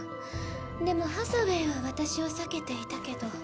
でもハサウェイは私を避けていたけど。